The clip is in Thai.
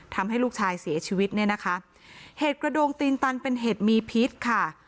ทำให้ลูกชายเสียชีวิตเนี่ยนะคะเห็ดกระโดงตีนตันเป็นเห็ดมีพิษค่ะ